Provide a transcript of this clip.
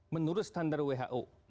menurut standar who